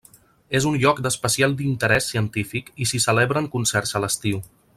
És un lloc d'especial interès científic i s'hi celebren concerts a l'estiu.